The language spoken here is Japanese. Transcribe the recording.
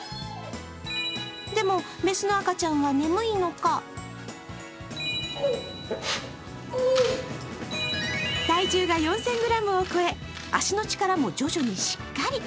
でも雌の赤ちゃんは眠いのか体重が４０００ｇを超え、足の力も徐々にしっかり。